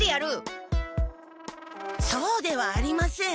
そうではありません。